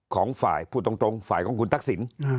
ของฝ่ายพูดตรงฝ่ายของคุณทักษิณ